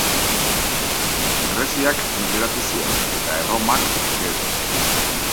Greziak menderatu zuen, eta Erromak gero.